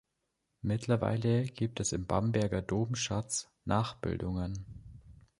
Mittlerweile gibt es im Bamberger Domschatz Nachbildungen.